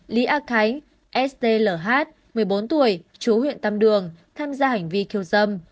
lý a khánh stlh một mươi bốn tuổi chú huyện tam đường tham gia hành vi khiêu dâm